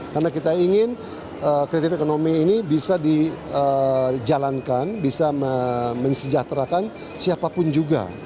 karena kita ingin kreatif ekonomi ini bisa dijalankan bisa mensejahterakan siapapun juga